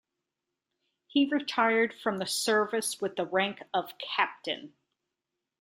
He retired from the service with the rank of captain.